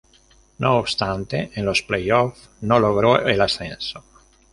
No obstante, en los "play-off" no logró el ascenso.